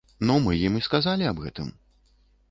Ну, мы ім і сказалі аб гэтым.